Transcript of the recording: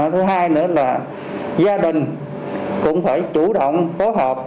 thứ hai nữa là gia đình cũng phải chủ động phối hợp